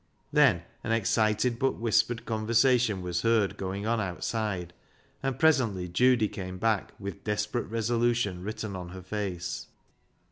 Then an excited but whispered conversation was heard going on outside, and presently Judy came back with desperate resolution written on her face.